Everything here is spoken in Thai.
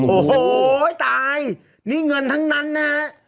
โอ้โหตายนี่เงินทั้งนั้นนะฮะ